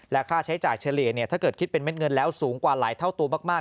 ค่าใช้จ่ายเฉลี่ยถ้าเกิดคิดเป็นเม็ดเงินแล้วสูงกว่าหลายเท่าตัวมาก